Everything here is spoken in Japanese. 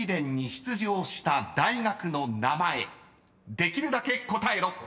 ［できるだけ答えろ］